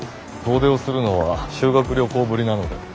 遠出をするのは修学旅行ぶりなので。